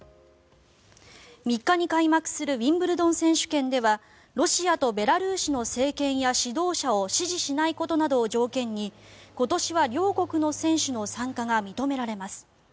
３日に開幕するウィンブルドン選手権ではロシアとベラルーシの政権や指導者を支持しないことなどを条件に今年は両国の選手の参加が認められます。